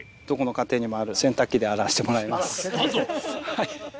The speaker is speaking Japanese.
はい。